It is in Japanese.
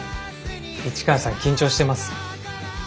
市川さん緊張してます？